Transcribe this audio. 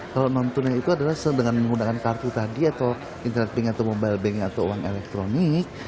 kalau non tunai itu adalah dengan menggunakan kartu tadi atau internet banking atau mobile banking atau uang elektronik